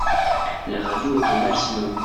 La radio est au maximum.